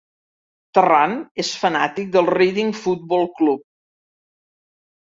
Tarrant és fanàtic del Reading Football Club.